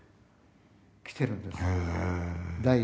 来てるんです。